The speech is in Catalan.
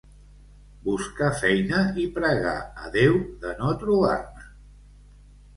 Buscar feina i pregar a Déu de no trobar-ne.